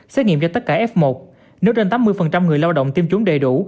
xét nghiệm cho tất cả f một nếu trên tám mươi người lao động tiêm trúng đầy đủ